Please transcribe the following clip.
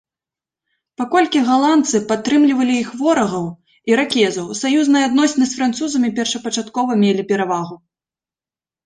Паколькі галандцы падтрымлівалі іх ворагаў-іракезаў, саюзныя адносіны з французамі першапачаткова мелі перавагу.